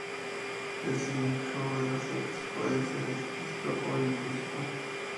El significado de las letras puede ser explícito o implícito.